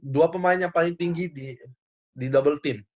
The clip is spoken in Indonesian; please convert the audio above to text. dua pemain yang paling tinggi di double team